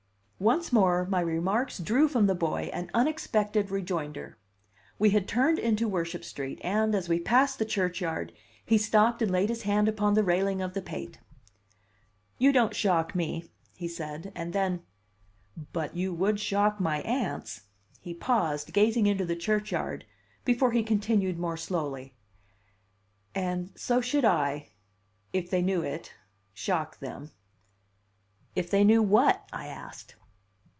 Once more my remarks drew from the boy an unexpected rejoinder. We had turned into Worship Street, and, as we passed the churchyard, he stopped and laid his hand upon the railing of the pate. "You don't shock me," he said; and then: "But you would shock my aunts." He paused, gazing into the churchyard, before he continued more slowly: "And so should I if they knew it shock them." "If they knew what?" I asked.